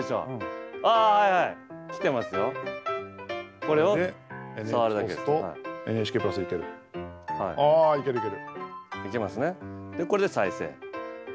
これで再生。